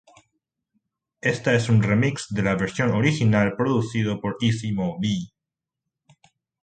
Esta es un remix de la versión original producido por Easy Mo Bee.